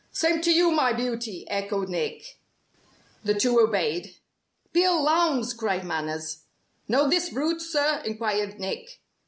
"Same to you, my beauty," echoed Nick. The two obeyed. "Bill Lowndes!" cried Manners. "Know this brute, sir?" enquired Nick.